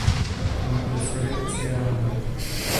Kompresor je axiální.